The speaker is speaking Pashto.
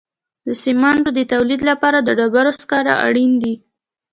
د سمنټو د تولید لپاره د ډبرو سکاره اړین دي.